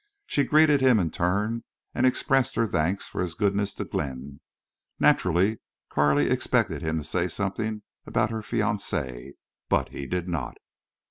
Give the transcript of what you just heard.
She greeted him in turn and expressed her thanks for his goodness to Glenn. Naturally Carley expected him to say something about her fiance, but he did not.